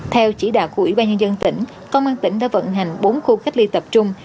theo chỉ đạo của ủy ban nhân dân tỉnh công an tỉnh đã vận hành bốn khu cách ly tập trung